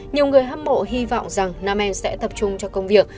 nhiều người hâm mộ hy vọng rằng nam em sẽ tập trung cho công việc